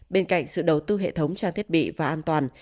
bên cạnh sự đầu tư hệ thống trang thiết bị và an toàn